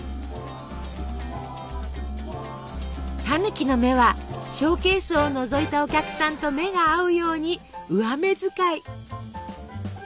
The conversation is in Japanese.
たぬきの目はショーケースをのぞいたお客さんと目が合うように上目遣い。